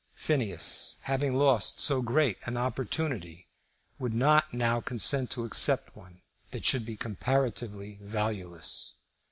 Phineas having lost so great an opportunity, would not now consent to accept one that should be comparatively valueless.